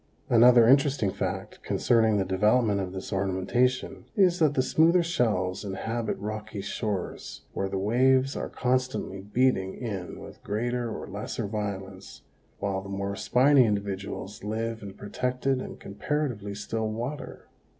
Another interesting fact concerning the development of this ornamentation is that the smoother shells inhabit rocky shores where the waves are constantly beating in with greater or lesser violence, while the more spiny individuals live in protected and comparatively still water.